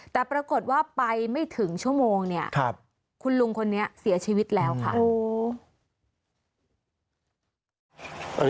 แต่ปรากฏว่าไปไม่ถึงชั่วโมงเนี่ยคุณลุงคนนี้เสียชีวิตแล้วค่ะ